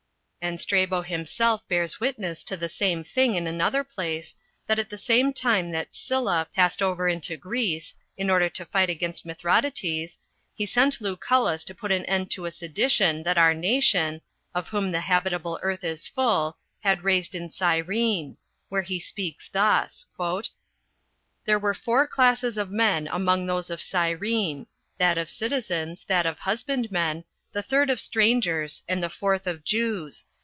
And Strabo himself bears witness to the same thing in another place, that at the same time that Sylla passed over into Greece, in order to fight against Mithridates, he sent Lucullus to put an end to a sedition that our nation, of whom the habitable earth is full, had raised in Cyrene; where he speaks thus: "There were four classes of men among those of Cyrene; that of citizens, that of husbandmen, the third of strangers, and the fourth of Jews.